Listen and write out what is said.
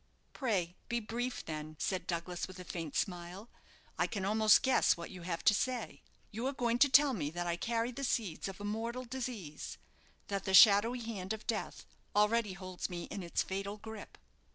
"Pray be brief, then," said Douglas with a faint smile. "I can almost guess what you have to say. You are going to tell me that I carry the seeds of a mortal disease; that the shadowy hand of death already holds me in its fatal grip."